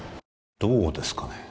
どうですかね？